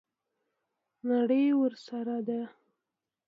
نړۍ ورسره ده.